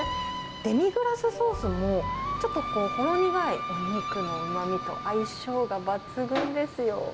デミグラスソースも、ちょっとこう、ほろ苦いお肉のうまみと相性が抜群ですよ。